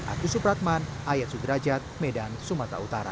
akusup ratman ayat sudrajat medan sumatera utara